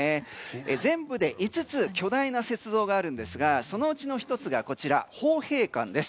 全部で５つ巨大な雪像があるんですがそのうちの１つが豊平館です。